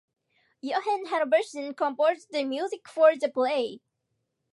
Johan Halvorsen composed the music for the play.